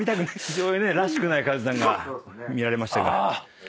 非常にねらしくないカズさんが見られましたけど。